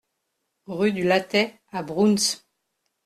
Rue du Lattay à Broons